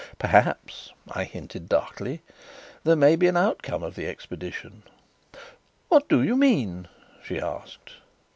"Perhaps," I hinted darkly, "there may be an outcome of the expedition." "What do you mean?" she asked.